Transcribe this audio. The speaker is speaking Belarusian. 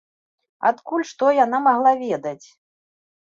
Адкуль, што яна магла ведаць?